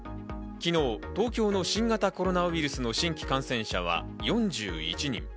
昨日、東京の新型コロナウイルスの新規感染者は４１人。